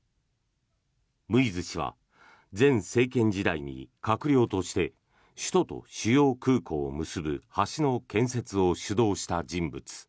ムイズ氏は前政権時代に閣僚として首都と主要空港を結ぶ橋の建設を主導した人物。